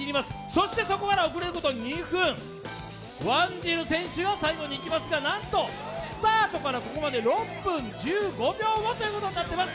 そしてそこから遅れること２分、ワンジル選手が最後に行きますがなんとスタートからここまで６分１５秒後ということになっています。